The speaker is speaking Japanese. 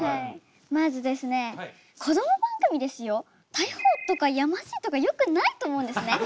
逮捕とかやましいとかよくないと思うんですね。